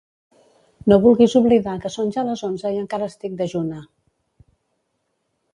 No vulguis oblidar que són ja les onze i encara estic dejuna!